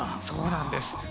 そうなんです。